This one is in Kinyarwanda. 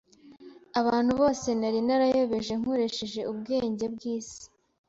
Abantu bose nari narayobeje nkoresheje ubwenge bw’isi,